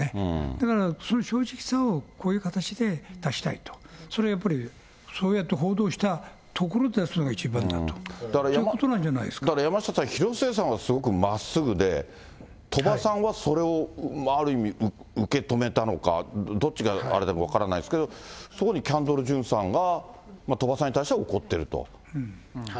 だからその正直さを、こういう形で出したいと、それはやっぱり、そうやって報道したところに出すのが一番だということなんじゃなだから山下さん、広末さんはすごくまっすぐで、鳥羽さんは、それをある意味、受け止めたのか、どっちがあれだか分からないですけど、そこにキャンドル・ジュンさんが、鳥羽さんに対しては怒ってると。